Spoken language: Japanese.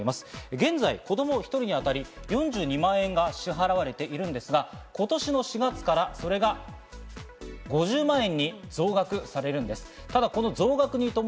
現在子供１人当たり４２万円が支払われているんですが、今年の４月から、それが５０万円に増額されるんです。